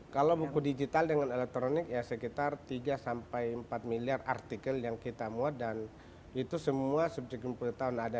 kalau buku digital dengan elektronik ya sekitar tiga sampai empat miliar artikel yang kita buat dan itu semua subjek enam puluh tahun ada